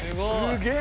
すごい。